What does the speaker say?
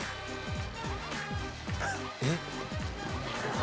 えっ！